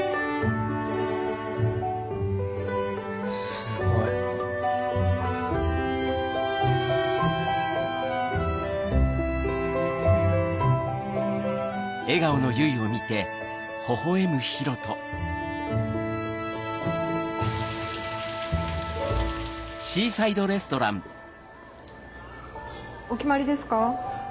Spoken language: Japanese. すごい。お決まりですか？